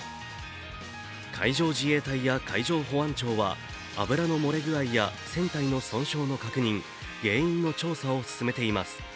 海上自衛隊や海上保安庁は油の漏れ具合や船体の損傷の確認、原因の調査を進めています。